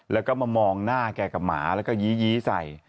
แล้วก็มามองหน้าแกกับหมาแล้วก็ยี้ใส่